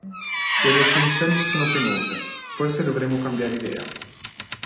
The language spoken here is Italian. Le recensioni sono penose, forse dovremmo cambiare idea.